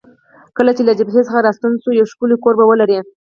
کله چې له جبهې څخه راستون شوې، یو ښکلی کور به ولرې.